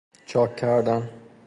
چاک کردن